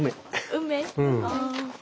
梅？